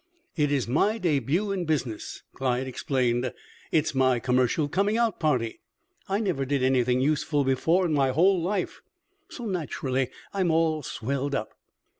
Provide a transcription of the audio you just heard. "It is my debut in business," Clyde explained. "It's my commercial coming out party. I never did anything useful before in my whole life, so, naturally, I'm all swelled up."